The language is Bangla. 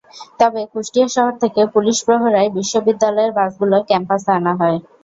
তবে কুষ্টিয়া শহর থেকে পুলিশ প্রহরায় বিশ্ববিদ্যালয়ের বাসগুলো ক্যাম্পাসে আনা হয়।